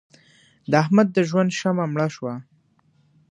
د احمد د ژوند شمع مړه شوه.